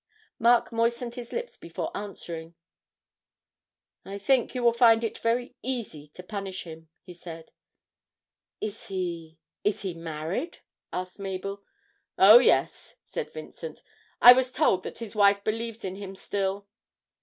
Mark moistened his lips before answering. 'I think you will find it very easy to punish him,' he said. 'Is he is he married?' asked Mabel. 'Oh, yes,' said Vincent; 'I was told that his wife believes in him still.'